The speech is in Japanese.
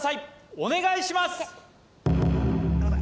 お願いします